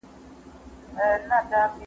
د بډایه خلګو مال د ټولني د بهبود لپاره دی.